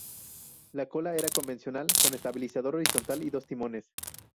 La cola era convencional, con estabilizador horizontal y dos timones.